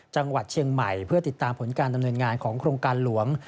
จังหวัดเชียงใหม่เพื่อติดตามผลการดำเนินงานของโครงการหลวง